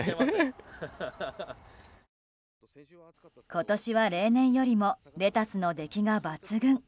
今年は例年よりもレタスの出来が抜群。